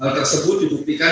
hal tersebut dibuktikan